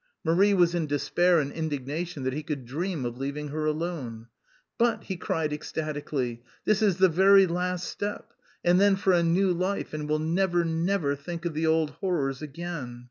Marie was in despair and indignation that "he could dream of leaving her alone." "But," he cried ecstatically, "this is the very last step! And then for a new life and we'll never, never think of the old horrors again!"